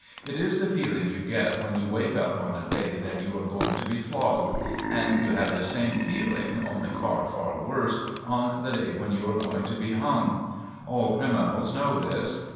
It is the feeling you get when you wake up on a day that you are going to be flogged; and you have the same feeling, only far, far worse, on the day when you are going to be hung. All criminals know this.